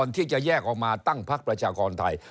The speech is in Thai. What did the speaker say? ที่จะแยกออกมาตั้งพักประชากรไทย